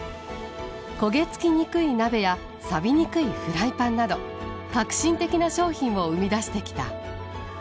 焦げつきにくい鍋やさびにくいフライパンなど革新的な商品を生み出してきた。